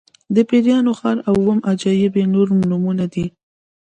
د پیریانو ښار او اووم عجایب یې نور نومونه دي.